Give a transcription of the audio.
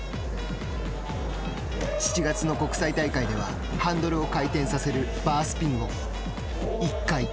７月の国際大会ではハンドルを回転させるバースピンを。